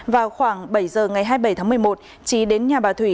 vào khoảng bảy giờ ngày hai mươi bảy tháng một mươi một trí đến nhà bà thủy